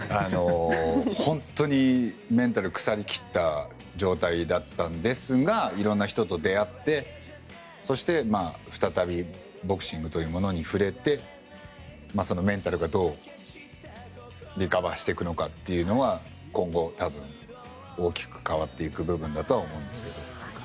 本当にメンタル腐り切った状態だったんですが色んな人と出会ってそして再びボクシングというものに触れてそのメンタルがどうリカバーしていくのかというのは今後、大きく変わっていく部分だとは思うんですけど。